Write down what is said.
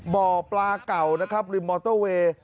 บ่อปลาเก่านะครับริมมอเตอร์เวย์